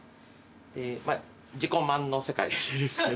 自己満の世界ですけど。